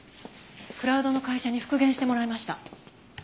クラウドの会社に復元してもらいました。